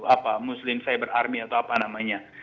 apa muslim cyber army atau apa namanya